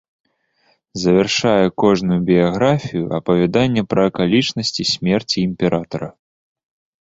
Завяршае кожную біяграфію апавяданне пра акалічнасці смерці імператара.